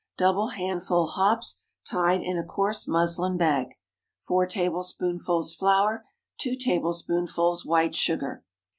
Double handful hops, tied in a coarse muslin bag. 4 tablespoonfuls flour. 2 tablespoonfuls white sugar.